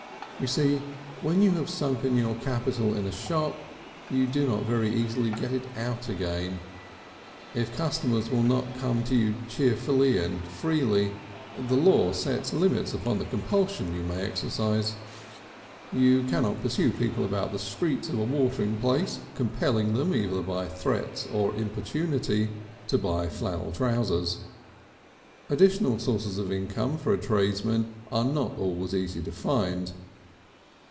You see, when you have once sunken your capital in a shop you do not very easily get it out again. If customers will not come to you cheerfully and freely the law sets limits upon the compulsion you may exercise. You cannot pursue people about the streets of a watering place, compelling them either by threats or importunity to buy flannel trousers. Additional sources of income for a tradesman are not always easy to find.